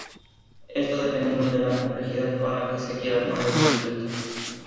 Esto dependiendo de la complejidad con la que se quiera armar el circuito.